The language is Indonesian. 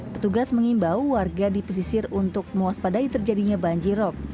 petugas mengimbau warga di pesisir untuk mewaspadai terjadinya banjirop